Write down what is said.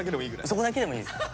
そこだけでもいいです。